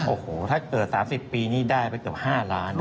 โอ้โหถ้าเกิด๓๐ปีนี้ได้ไปเกือบ๕ล้าน